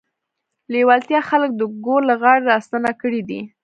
لېوالتیا خلک د ګور له غاړې راستانه کړي دي.